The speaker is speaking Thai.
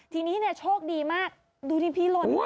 ทีนี้เนี่ยโชคดีมากดูที่พี่หล่น